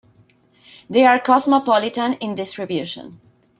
They are cosmopolitan in distribution.